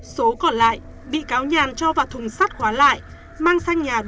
số còn lại bị cáo nhàn cho vào thùng sắt hóa lại mang sang nhà đỗ xuân lộc